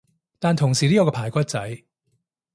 但同時都有個排骨仔